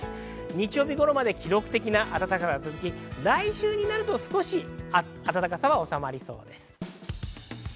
日曜日頃まで記録的な暖かさが続き来週になると少し、暖かさは収まりそうです。